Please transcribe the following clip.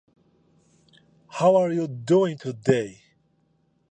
Both survived, though Flynt was seriously disabled.